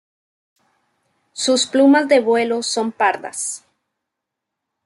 Sus plumas de vuelo son pardas.